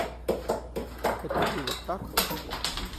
Это было так?